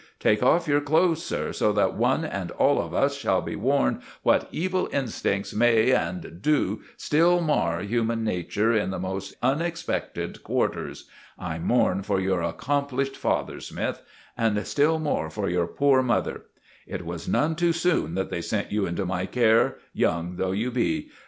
Take off your clothes, sir, so that one and all of us shall be warned what evil instincts may, and do still mar human nature in the most unexpected quarters. I mourn for your accomplished father, Smythe; and still more for your poor mother. It was none too soon that they sent you into my care, young though you be.